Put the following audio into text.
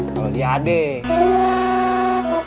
kalau di adek